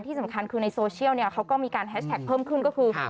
ที่สำคัญคือในโซเชียลเขาก็มีการแฮชแท็กเพิ่มขึ้นก็คือ